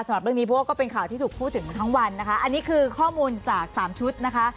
สำหรับเรื่องนี้เพราะว่าก็เป็นข่าวที่ถูกพูดถึงทั้งวันนะคะอันนี้คือข้อมูลจากสามชุดนะคะ